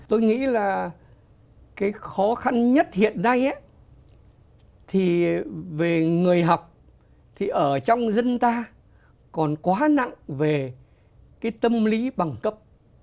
tôi nghĩ là cái khó khăn nhất hiện nay thì về người học thì ở trong dân ta còn quá nặng về cái tâm lý bằng cấp